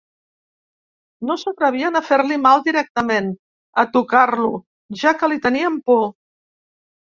No s'atrevien a fer-li mal directament, a tocar-lo, ja que li tenien por.